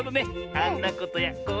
あんなことやこんなことね。